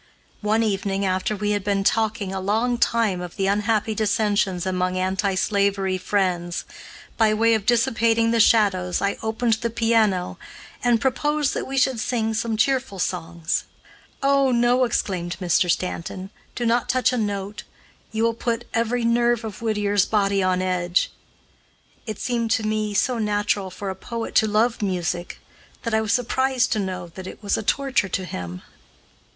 One evening, after we had been talking a long time of the unhappy dissensions among anti slavery friends, by way of dissipating the shadows I opened the piano, and proposed that we should sing some cheerful songs. "Oh, no!" exclaimed Mr. Stanton, "do not touch a note; you will put every nerve of Whittier's body on edge." It seemed, to me, so natural for a poet to love music that I was surprised to know that it was a torture to him.